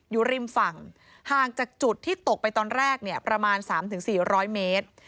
อยู่ริมฝั่งห่างจากจุดที่ตกไปตอนแรกเนี่ยประมาณ๓๔๐๐เมตร